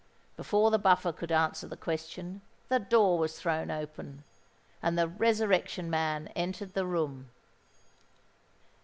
Before the Buffer could answer the question, the door was thrown open, and the Resurrection Man entered the room.